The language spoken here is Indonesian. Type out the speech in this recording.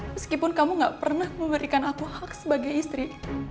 meskipun kamu gak pernah memberikan aku hoax sebagai istri